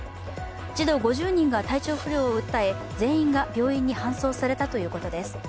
児童５０人が体調不良を訴え全員が搬送されたということです。